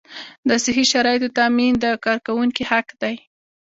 د صحي شرایطو تامین د کارکوونکي حق دی.